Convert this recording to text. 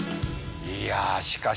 いやしかし。